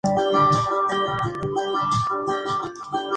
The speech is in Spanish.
Mayordomo de la cofradía de Nuestra Señora de los Ángeles en Cartago.